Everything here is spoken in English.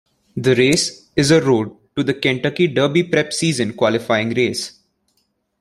The race is a Road to the Kentucky Derby Prep Season qualifying race.